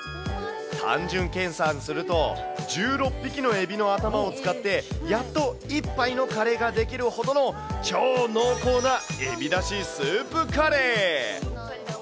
単純計算すると、１６匹のエビの頭を使って、やっと１杯のカレーが出来るほどの超濃厚なエビだしスープカレー。